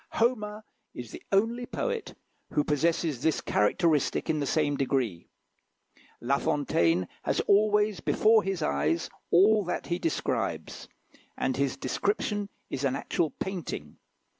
Homer is the only poet who possesses this characteristic in the same degree. La Fontaine has always before his eyes all that he describes, and his description is an actual painting.